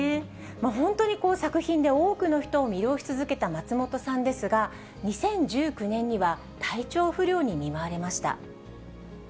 本当に作品で多くの人を魅了し続けた松本さんですが、２０１９年には体調不良に見舞われました。